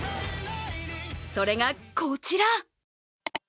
それがこちら。